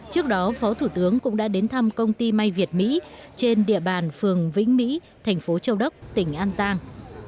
trước đó phó thủ tướng cũng đã đến thăm công ty may việt mỹ trên địa bàn phường vĩnh mỹ thành phố châu đốc tỉnh an giang